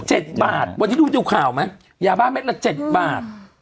เจ็ดบาทวันนี้ดูข่าวไหมยาบ้าเม็ดละเจ็ดบาท